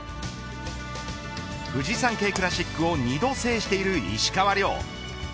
フジサンケイクラシックを２度制している石川遼。